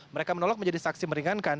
mereka menolak menjadi saksi meringankan